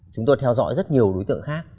chúng tôi theo dõi rất nhiều đối tượng khác